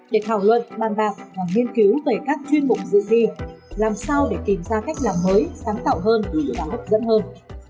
để thảo luận bàn bạc và nghiên cứu về các chuyên mục dự thi làm sao để tìm ra cách làm mới sáng tạo hơn và hấp dẫn hơn